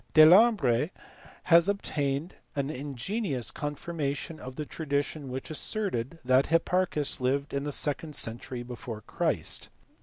Delambre has obtained an ingenious confirmation of the tradi tion which asserted that Hipparchns lived in the second century before Christ.